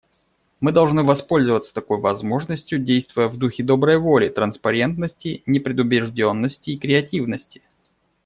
Мы должны воспользоваться такой возможностью, действуя в духе доброй воли, транспарентности, непредубежденности и креативности.